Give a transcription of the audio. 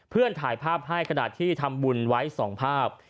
เพื่อนถ่ายภาพให้กระดาษที่ทำบุญไว้สองภาพ